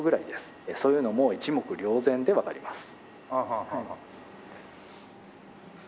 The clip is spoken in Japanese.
そういうのも一目瞭然でわかります。